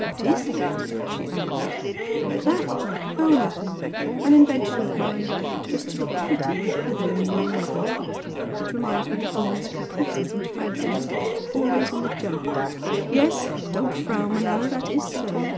"What is that?" she asked. "That? Oh, nothing! An invention of mine just to look pretty and cool in warm weather! It reminds me of women's caprices and fancies always on the jump! Yes! don't frown, Manella! that is so!